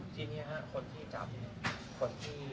ที่นี่ค่ะคนที่จับคนที่ติดต่อคนที่มาล่อซื้อ